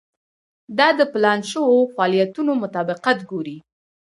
دا د پلان شوو فعالیتونو مطابقت ګوري.